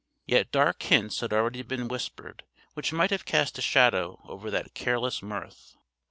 Yet dark hints had already been whispered, which might have cast a shadow over that careless mirth.